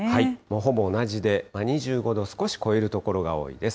ほぼ同じで、２５度を少し超える所が多いです。